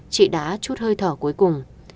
chị đã chút hơi thở cuối cùng